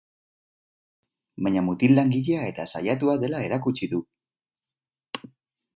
Baina mutil langilea eta saiatua dela erkutsi du.